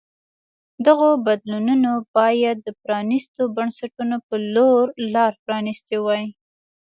دغو بدلونونو باید د پرانیستو بنسټونو په لور لار پرانیستې وای.